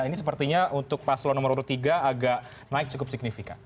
ini sepertinya untuk pas law nomor tiga agak naik cukup signifikan